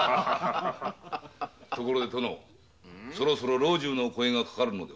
ところで殿そろそろ老中のお声がかかるのでは？